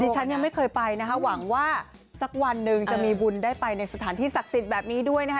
ฉันยังไม่เคยไปนะคะหวังว่าสักวันหนึ่งจะมีบุญได้ไปในสถานที่ศักดิ์สิทธิ์แบบนี้ด้วยนะคะ